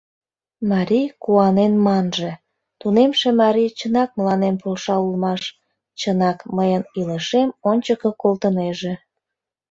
Марий куанен манже: «Тунемше марий чынак мыланем полша улмаш, чынак мыйын илышем ончыко колтынеже».